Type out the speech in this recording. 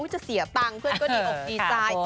อุ้ยจะเสียตังค์เพื่อนก็ดีอกดีจ้าย